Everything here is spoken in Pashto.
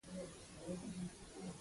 پخو سړو ته خلک مشوره کوي